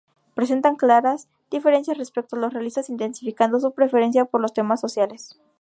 Presentan claras diferencias respecto a los realistas, intensificando su preferencia por los temas sociales.